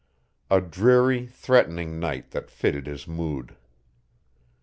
A dreary, threatening night that fitted his mood.